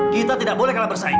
kita tidak boleh kalah bersaing